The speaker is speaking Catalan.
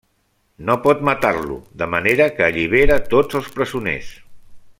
No pot matar-lo, de manera que allibera tots els presoners.